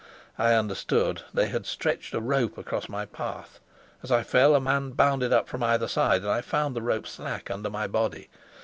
I understood. They had stretched a rope across my path; as I fell a man bounded up from either side, and I found the rope slack under my body.